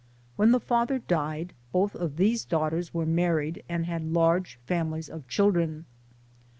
When the father died, both of these daughters were married and had large families of children.